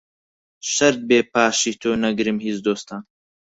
شەرت بێ پاشی تۆ نەگرم هیچ دۆستان